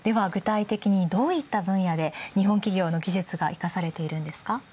では、具体的にどういった分野で日本企業の技術が生かされているんですか？